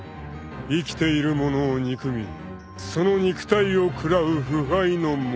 ［生きている者を憎みその肉体を食らう腐敗の亡者］